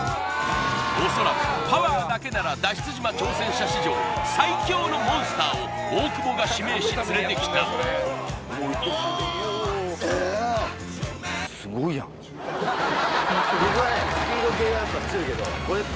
恐らくパワーだけなら脱出島挑戦者史上最強のモンスターを大久保が指名し連れてきたおお僕はね